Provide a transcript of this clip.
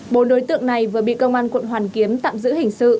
bốn đối tượng này vừa bị công an quận hoàn kiếm tạm giữ hình sự